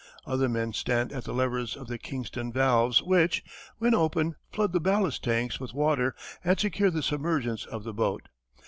Other men stand at the levers of the Kingston valves which, when open, flood the ballast tanks with water and secure the submergence of the boat.